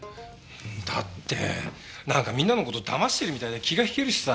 だってなんかみんなの事をだましてるみたいで気が引けるしさ